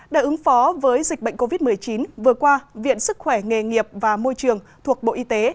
để ứng phó với dịch bệnh covid một mươi chín vừa qua viện sức khỏe nghề nghiệp và môi trường thuộc bộ y tế